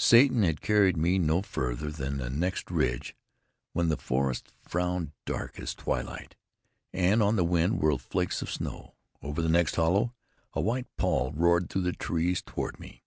Satan had carried me no farther than the next ridge, when the forest frowned dark as twilight, and on the wind whirled flakes of snow. Over the next hollow, a white pall roared through the trees toward me.